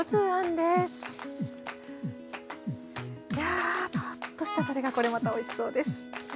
やあトロッとしたたれがこれまたおいしそうです。